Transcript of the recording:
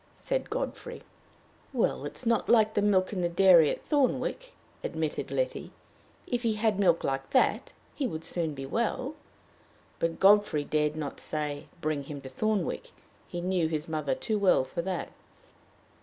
said Godfrey. "Well, it is not like the milk in the dairy at Thornwick," admitted Letty. "If he had milk like that, he would soon be well!" But Godfrey dared not say, "Bring him to Thornwick": he knew his mother too well for that!